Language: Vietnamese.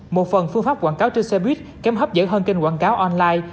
một phần phương pháp quảng cáo trên xe buýt kém hấp dẫn hơn kênh quảng cáo online